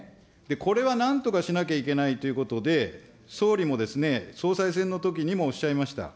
これはなんとかしなきゃいけないということで、総理も総裁選のときにもおっしゃいました。